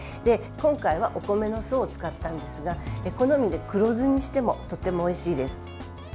今回はお米の酢を使ったんですが好みで黒酢にしてもとてもおいしいです。